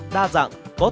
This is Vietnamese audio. đa dạng có tầm